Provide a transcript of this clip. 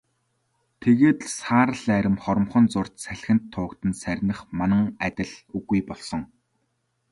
Тэгээд л саарал арми хоромхон зуурт салхинд туугдан сарних манан адил үгүй болсон.